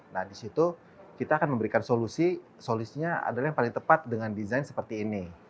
nah disitu kita akan memberikan solusi solusinya adalah yang paling tepat dengan desain seperti ini